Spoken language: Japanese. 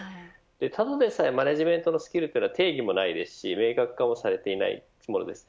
ただでさえマネジメントのスキルは、定義もないですし明確化もされていないです。